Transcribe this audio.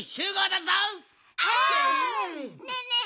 ねえねえ